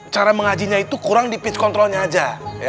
cara mengajinya itu kurang di pit controlnya aja